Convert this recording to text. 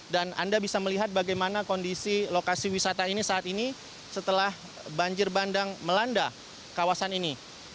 dan anda bisa melihat bagaimana kondisi lokasi wisata ini saat ini setelah banjir bandang melanda kawasan ini